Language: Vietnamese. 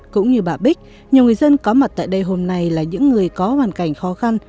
cũng như bà bích nhiều người dân có mặt tại đây hôm nay là những người có hoàn cảnh khó khăn